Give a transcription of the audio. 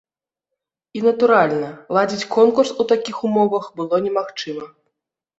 І, натуральна, ладзіць конкурс у такіх умовах было немагчыма.